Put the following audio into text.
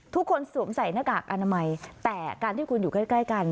สวมใส่หน้ากากอนามัยแต่การที่คุณอยู่ใกล้กัน